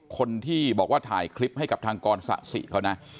คนที่บอกว่าถ่ายคลิปให้กับทางกรสะสิเขานะ